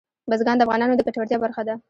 بزګان د افغانانو د ګټورتیا برخه ده.